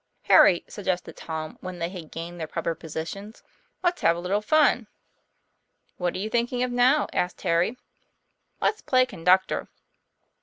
'Harry," suggested Tom when they had gained their proper positions, "let's have a little fun." "What are you thinking of now?" asked Harry. '* Let's play conductor."